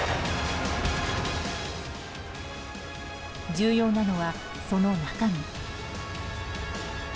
重要なのは、その中身。